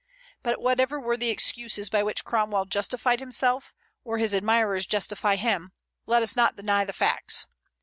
But whatever were the excuses by which Cromwell justified himself, or his admirers justify him, let us not deny the facts.